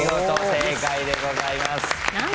正解でございます。